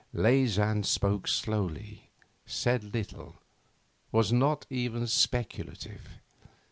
Leysin spoke slowly, said little, was not even speculative.